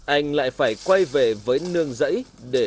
anh lại phải quay về với nương giấy để quay về